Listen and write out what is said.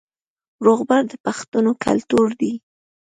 روغبړ د پښتنو کلتور دی